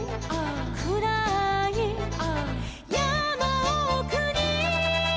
「くらーい」「」「やまおくに」